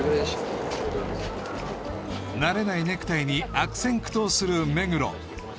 慣れないネクタイに悪戦苦闘する目黒